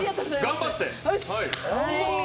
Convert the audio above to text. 頑張って。